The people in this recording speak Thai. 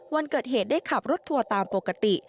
วันเกิดเหตุได้ขับรถทัวร์ตามปกติ